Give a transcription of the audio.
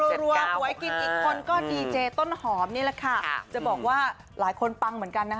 รัวหวยกินอีกคนก็ดีเจต้นหอมนี่แหละค่ะจะบอกว่าหลายคนปังเหมือนกันนะคะ